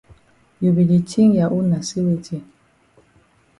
You be di tink ya own na say weti?